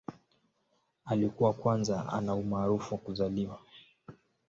Alikuwa kwanza ana umaarufu wa kuzaliwa.